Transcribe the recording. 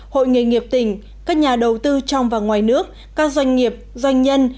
hội nghề nghiệp tỉnh các nhà đầu tư trong và ngoài nước các doanh nghiệp doanh nhân